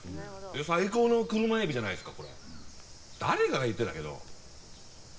最高のクルマエビじゃないですか。